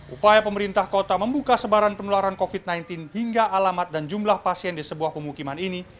upaya pemerintah kota membuka sebaran penularan covid sembilan belas hingga alamat dan jumlah pasien di sebuah pemukiman ini